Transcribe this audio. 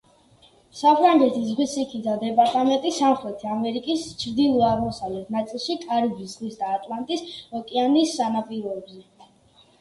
საფრანგეთის ზღვისიქითა დეპარტამენტი სამხრეთი ამერიკის ჩრდილო-აღმოსავლეთ ნაწილში, კარიბის ზღვის და ატლანტის ოკეანის სანაპიროებზე.